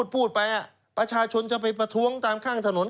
ภาคประชาชนยังจะไปประท้วงตามข้างถนน